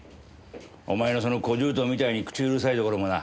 お前のその小姑みたいに口うるさいところもな。